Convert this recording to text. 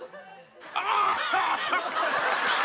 ああ！